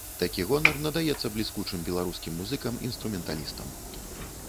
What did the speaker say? Такі гонар надаецца бліскучым беларускім музыкам-інструменталістам.